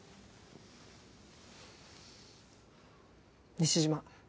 西島